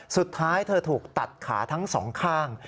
สุดท้ายเธอถูกตัดขาทั้งสองข้าง